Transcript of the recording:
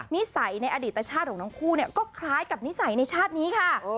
นิสัยในอดีตชาติของทั้งคู่ก็คล้ายกับนิสัยในชาตินี้ค่ะ